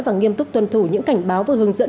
và nghiêm túc tuân thủ những cảnh báo và hướng dẫn